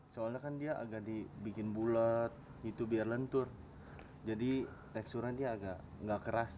soalnya kan dia agak dibikin bulet gitu biar lentur jadi teksturnya dia agak nggak keras